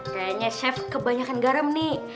kayaknya chef kebanyakan garam nih